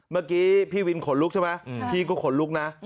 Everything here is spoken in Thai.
เมื่อกี้พี่วินขนลุกใช่ไหมพี่ก็ขนลุกนะ